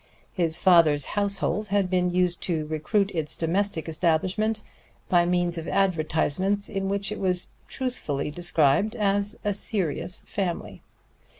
His father's household had been used to recruit its domestic establishment by means of advertisements in which it was truthfully described as a serious family.